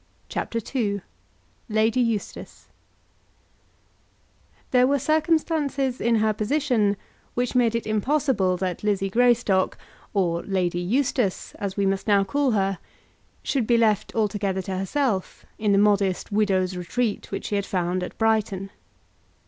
CHAPTER II Lady Eustace There were circumstances in her position which made it impossible that Lizzie Greystock, or Lady Eustace, as we must now call her, should be left altogether to herself in the modest widow's retreat which she had found at Brighton.